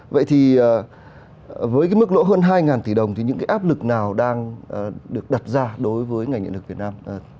vậy thì với mức lỗ hơn hai tỷ đồng thì những áp lực nào đang được đặt ra đối với ngành nghệ lực việt nam